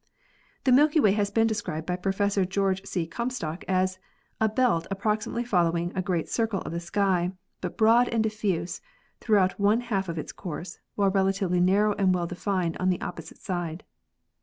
The Milky Way has been described by Prof. George C. Comstock as "a belt approximately following a great circle of the sky, but broad and diffuse throughout one half of its course, while relatively narrow and well denned on the opposite side.